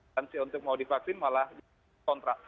lansia untuk mau divaksin malah kontra